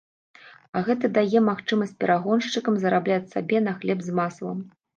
А гэта дае магчымасць перагоншчыкам зарабляць сабе на хлеб з маслам.